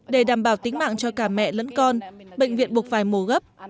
để đảm bảo tính mạng cho cả mẹ lẫn con bệnh viện buộc phải mổ gấp